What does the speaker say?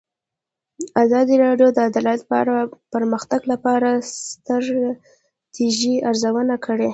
ازادي راډیو د عدالت په اړه د پرمختګ لپاره د ستراتیژۍ ارزونه کړې.